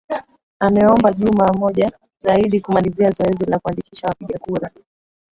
ameomba juma moja zaidi kumalizia zoezi la kuandikisha wapiga kura